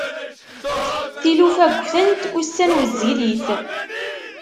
Tilufa ggtent, ussan wezzilit.